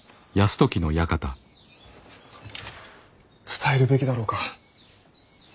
伝えるべきだろうか。